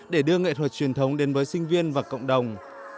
để đưa nghệ thuật truyền thống đến với sinh viên và cộng đồng